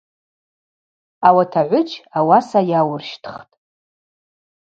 Ауат агӏвыджь ауаса йауырщтхтӏ.